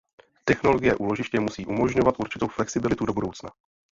Technologie úložiště musí umožňovat určitou flexibilitu do budoucna.